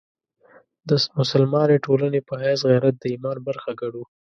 د مسلمانې ټولنې په حیث غیرت د ایمان برخه ګڼو.